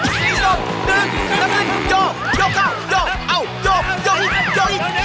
ส่วนดึงน้ำลื่นโยกโยกเข้าโยกเอาโยกโยกอีกโยกอีก